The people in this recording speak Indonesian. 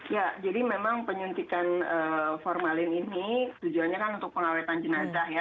ya jadi memang penyuntikan formalin ini tujuannya kan untuk pengawetan jenazah ya